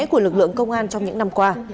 của lực lượng công an trong những năm qua